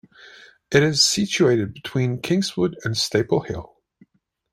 It is situated between Kingswood and Staple Hill.